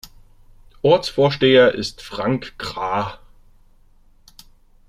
Ortsvorsteher ist Frank Krah.